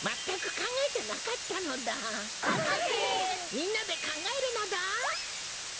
みんなでかんがえるのだ。